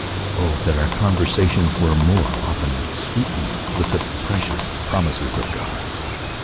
Oh, that our con versations were more often sweetened with the precious promises of God.